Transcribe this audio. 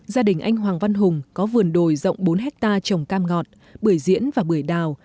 gia đình anh hoàng văn hùng có vườn đồi rộng bốn hectare trồng cam ngọt bưởi diễn và bưởi đào